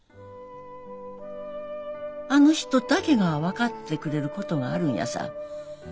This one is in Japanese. あの人だけが分かってくれることがあるんやさ。